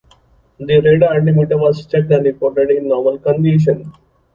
The radar altimeter was checked and reported in normal condition.